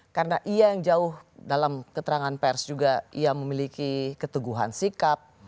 karena ia yang jauh dalam keterangan pers juga ia memiliki keteguhan sikap